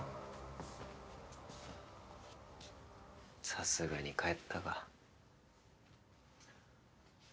さすがに帰ったか。